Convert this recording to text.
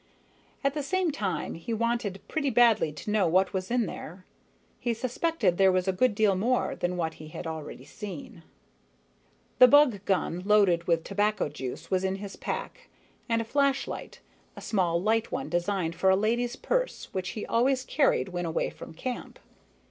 At the same time, he wanted pretty badly to know what was in there. He suspected there was a good deal more than what he had already seen. The bug gun loaded with tobacco juice was in his pack, and a flashlight, a small light one designed for a lady's purse which he always carried when away from camp.